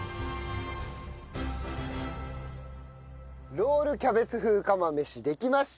ロールキャベツ風釜飯できました。